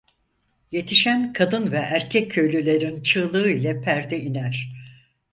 Yetişen kadın ve erkek köylülerin çığlığı ile perde iner.